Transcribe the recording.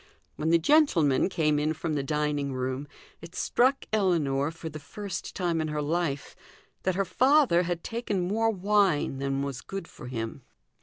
When the gentleman came in from the dining room, it struck Ellinor, for the first time in her life, that her father had taken more wine than was good for him.